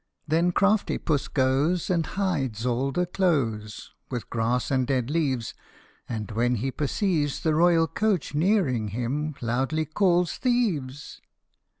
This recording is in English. " Then crafty Puss goes And hides all the clothes With grass and dead leaves ; and when he perceives The royal coach nearing him, loudly calls " Thieves